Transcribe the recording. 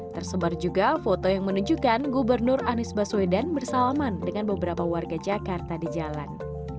tersebar juga foto yang menunjukkan gubernur anies baswedan bersalaman dengan beberapa warga jakarta di jalan